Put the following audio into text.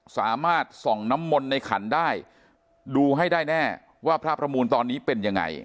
สามารถส่องน้ำมนต์ในขันได้ดูให้ได้แน่ว่าพระประมูลตอนนี้เป็นยังไง